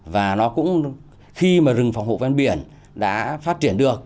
và nó cũng khi mà rừng phòng hộ ven biển đã phát triển được